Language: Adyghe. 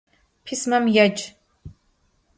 Pismam yêc!